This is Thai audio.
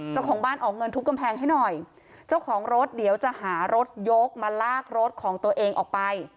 เจ้าของบ้านออกเงินทุบกำแพงให้หน่อยเจ้าของรถเดี๋ยวจะหารถยกมาลากรถของตัวเองออกไป